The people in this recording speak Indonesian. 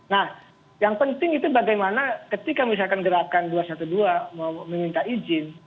nah yang penting itu bagaimana ketika misalkan gerakan dua ratus dua belas meminta izin